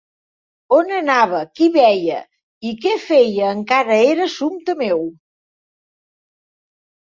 On anava, qui veia i què feia encara era assumpte meu.